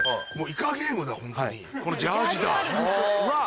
『イカゲーム』だホントにこのジャージだ。